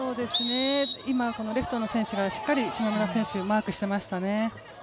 今、レフトの選手がしっかり島村選手をマークしていましたね。